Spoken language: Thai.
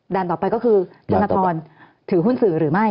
ด่านต่อไปก็คือจรรยภรรณถือหุ้นสื่อหรือไม่